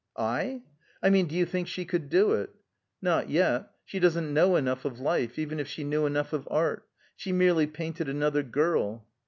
"I?" "I mean, do you think she could do it?" "Not yet. She doesn't know enough of life, even if she knew enough of art. She merely painted another girl."